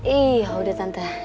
ih udah tante